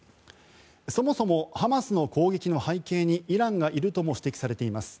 そもそも、ハマスの攻撃の背景にイランがいるとも指摘されています。